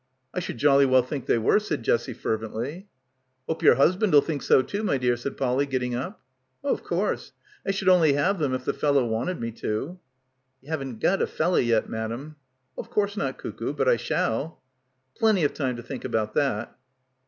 "I should jolly well think they were," said Jessie fervently. "Hope your husband'll think so too, my dear," said Polly, getting up. "Oh, of course, I should only have them if the fellow wanted me to." "You haven't got a fella yet, madam." "Of course not, cuckoo. But I shall." "Plenty of time to think about that."